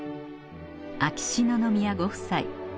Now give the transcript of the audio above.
秋篠宮ご夫妻